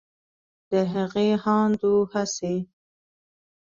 د هغې هاند و هڅې